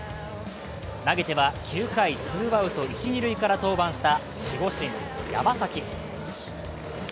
投げては９回ツーアウト一・二塁から登板した守護神・山崎。